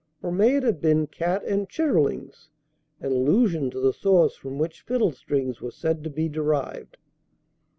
Or may it have been "Cat and Chitterlings," in allusion to the source from which fiddlestrings were said to be derived?